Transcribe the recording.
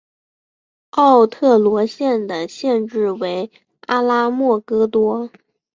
奥特罗县的县治为阿拉莫戈多。